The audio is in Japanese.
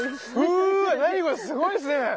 うわなにこれすごいですね。